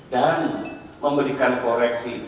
dan memberikan koreksi